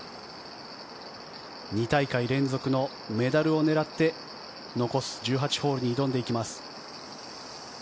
２大会連続のメダルを狙って残す１８ホールに挑んでいきます。